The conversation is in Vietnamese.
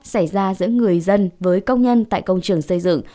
xảy ra giữa người dân với công nhân tại công trường xây dựng